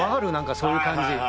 そういう感じ。